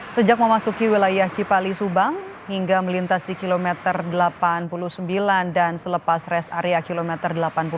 sejak memasuki wilayah cipali subang hingga melintasi kilometer delapan puluh sembilan dan selepas res area kilometer delapan puluh empat